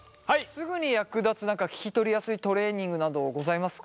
すぐに役立つ聞き取りやすいトレーニングなどございますか？